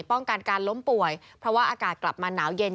ป้องกันการล้มป่วยเพราะว่าอากาศกลับมาหนาวเย็น